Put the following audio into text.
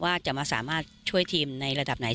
ว่าจะมาสามารถช่วยทีมในระดับไหน